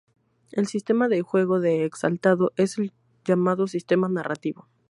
El sistema de juego de "Exaltado" es el llamado Sistema Narrativo.